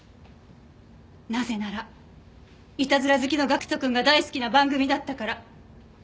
なぜならイタズラ好きの岳人くんが大好きな番組だったから。